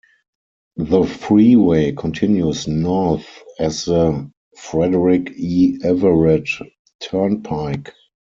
The freeway continues north as the Frederick E. Everett Turnpike.